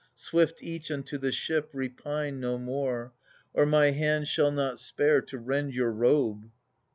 Swift each unto the ship ; repine no more, Or my hand shall not spare to rend your robe.